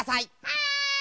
はい！